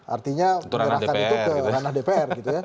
artinya menyerahkan itu ke ranah dpr